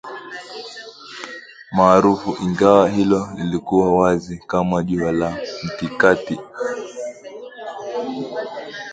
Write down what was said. maarufu ingawa hilo lilikuwa wazi kama jua la mtikati